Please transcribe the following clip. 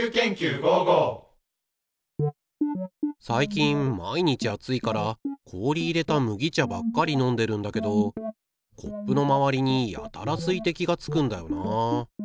最近毎日暑いから氷入れた麦茶ばっかり飲んでるんだけどコップのまわりにやたら水滴がつくんだよなあ。